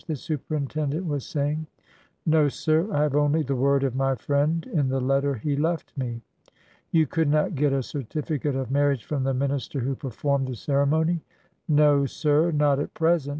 the superintendent was saying. 345 346 ORDER NO. 11 No, sir. I have only the word of my friend in the letter he left me." '' You could not get a certificate of marriage from the minister who performed the ceremony ?" No, sir;— not at present.